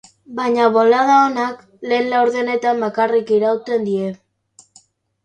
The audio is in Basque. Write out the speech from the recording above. Baina bolada onak lehen laurdenean bakarrik iraun die.